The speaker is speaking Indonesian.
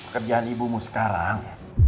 kerjaan ibumu sekarang